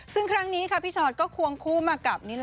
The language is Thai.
ซึ่งครั้งนี้พี่ชอตก็ควงคู่มากับ